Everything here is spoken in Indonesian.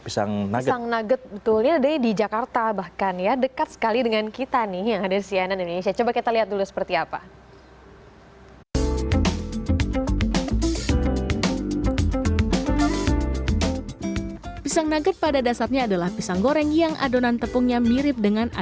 pisang nugget betulnya ada di jakarta bahkan ya dekat sekali dengan kita nih yang ada di siena dan indonesia